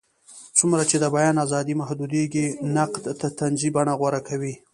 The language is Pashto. څومره چې د بیان ازادي محدودېږي، نقد طنزي بڼه غوره کوي.